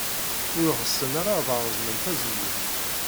Ur ɣsen ara ad reẓmen tazewwut.